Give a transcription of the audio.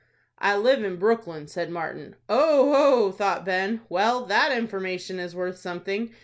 "I live in Brooklyn," said Martin. "Oho!" thought Ben. "Well, that information is worth something.